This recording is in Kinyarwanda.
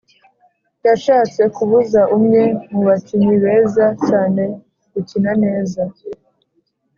Yashatse kubuza umwe mu bakinyi beza cyane gukina neza